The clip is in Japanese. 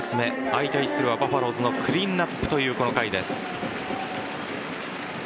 相対するはバファローズのクリーンアップというこの回です。